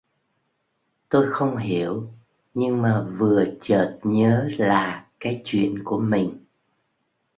Tôi không hiểu Nhưng mà vừa chợt nhớ là cái chuyện của mình